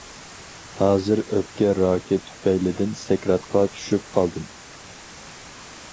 ھازىر ئۆپكە راكى تۈپەيلىدىن سەكراتقا چۈشۈپ قالدىم.